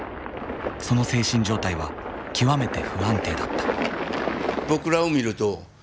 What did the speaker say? その精神状態は極めて不安定だった。